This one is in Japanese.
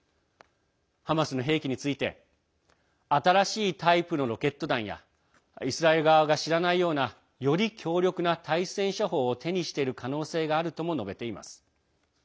ハマスの兵器について新しいタイプのロケット弾やイスラエル側が知らないようなより強力な対戦車砲を手にしている可能性があるとも述べています。